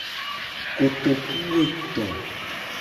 Kotokuwoeto.